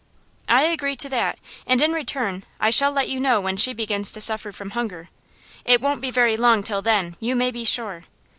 'I agree to that; and in return I shall let you know when she begins to suffer from hunger. It won't be very long till then, you may be sure.